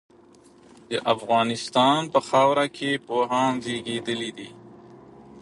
د افغانستان په خاوره کي پوهان زېږيدلي دي.